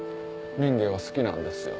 民藝は好きなんですよ。